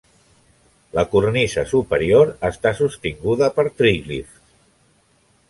La cornisa superior està sostinguda per tríglifs.